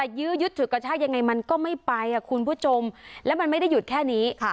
ยื้อยุดฉุดกระชากยังไงมันก็ไม่ไปคุณผู้ชมแล้วมันไม่ได้หยุดแค่นี้